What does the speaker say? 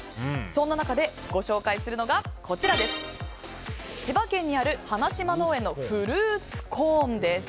そんな中でご紹介するのが千葉県にあるハナシマ農園のフルーツコーンです。